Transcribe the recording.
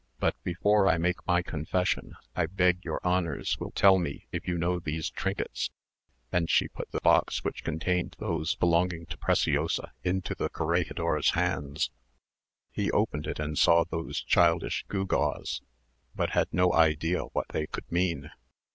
But before I make my confession, I beg your honours will tell me if you know these trinkets;" and she put the box which contained those belonging to Preciosa into the corregidor's hands. He opened it, and saw those childish gewgaws, but had no idea what they could mean.